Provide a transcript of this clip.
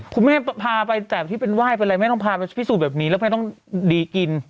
คุณแม่พาไปแต่ที่เป็นไหว้เป็นอะไรแม่ต้องพาไปพิสูจนแบบนี้แล้วแม่ต้องดีกิน